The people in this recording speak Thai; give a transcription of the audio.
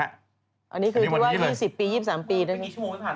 อันนี้คือที่ว่า๒๐ปี๒๓ปีเนี่ย